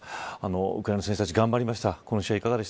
ウクライナの選手たち頑張りました。